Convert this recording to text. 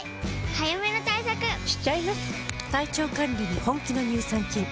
早めの対策しちゃいます。